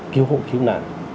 cứu hộ cứu nạn